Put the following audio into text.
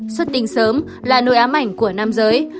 xuất tinh sớm là nội ám ảnh của nam giới